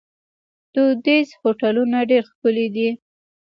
دودیز هوټلونه ډیر ښکلي دي.